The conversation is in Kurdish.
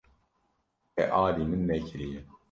Te alî min nekiriye.